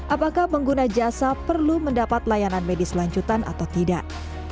apakah pengguna jasa perlu mendapat layanan medis lanjutan atau tidak